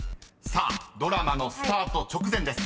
［さあドラマのスタート直前です］